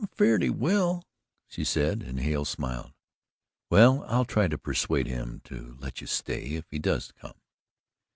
"I'm afeerd he will," she said, and Hale smiled. "Well, I'll try to persuade him to let you stay, if he does come."